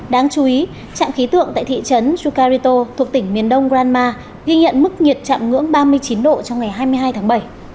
đáng chú ý trạm khí tượng tại thị trấn chucarito thuộc tỉnh miền đông granma ghi nhận mức nhiệt chạm ngưỡng ba mươi chín độ trong ngày hai mươi hai tháng bảy